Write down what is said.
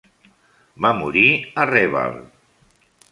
Va morir a Reval.